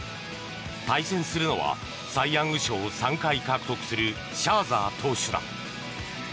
対戦するのはサイ・ヤング賞を３回獲得するシャーザー投手だ。